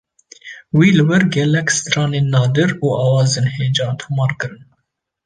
Wî li wir gelek stranên nadir û awazên hêja tomar kirin.